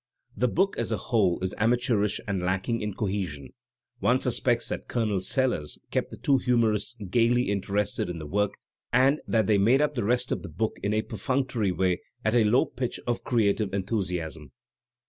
The book as a whole is amateurish and lacking in cohesion. One suspects that Colonel Sellers kept the two humourists gayly interested in the work, and that they made up the rest of the book in a perfunctory way at a low pitch of creative enthusiasm.